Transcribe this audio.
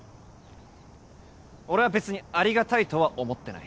俺は別にありがたいとは思ってない。